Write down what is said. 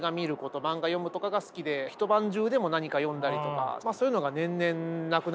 漫画読むとかが好きで一晩中でも何か読んだりとかまあそういうのが年々なくなってきまして。